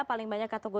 paling banyak katanya